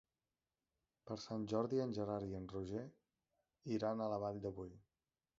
Per Sant Jordi en Gerard i en Roger iran a la Vall de Boí.